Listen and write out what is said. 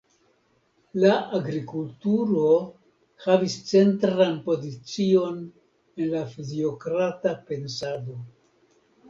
La agrikulturo havis centran pozicion en la fiziokrata pensado.